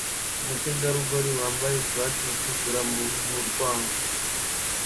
Umutegarugori wambaye swater itukura mumurwango